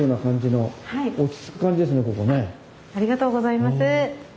ありがとうございます。